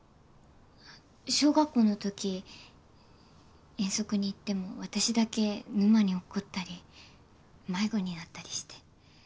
小学校の時遠足に行っても私だけ沼に落っこったり迷子になったりして。